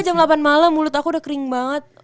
jam delapan malam mulut aku udah kering banget